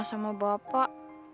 mas sama bapak